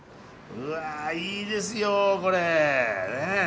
うわいいですよこれ！ね。